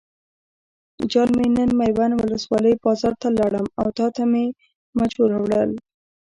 جان مې نن میوند ولسوالۍ بازار ته لاړم او تاته مې مچو راوړل.